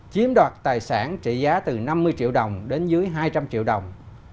chiếm đoạt tài sản trị giá từ năm mươi triệu đồng đến dưới hai trăm linh triệu đồng